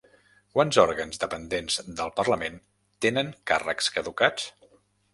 Quants òrgans dependents del Parlament tenen càrrecs caducats?